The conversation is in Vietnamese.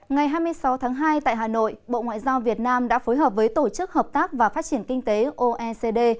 ngày hai mươi sáu tháng hai tại hà nội bộ ngoại giao việt nam đã phối hợp với tổ chức hợp tác và phát triển kinh tế oecd